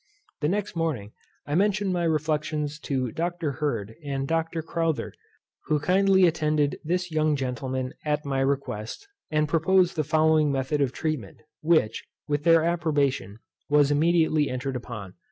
The next morning I mentioned my reflections to Dr. Hird and Dr. Crowther, who kindly attended this young gentleman at my request, and proposed the following method of treatment, which, with their approbation, was immediately entered upon.